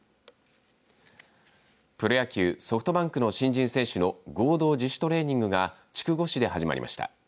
プロ野球ソフトバンクの新人選手の合同自主トレーニングが筑後市で始まりました。